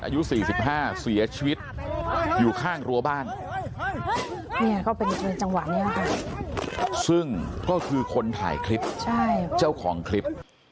อายุ๔๕ปีเสียชีวิตอยู่ข้างรัวบ้านนี่เขาเป็นชะวันแล้วกันซึ่งก็คือคนถ่ายคลิปเจ้าของคลิป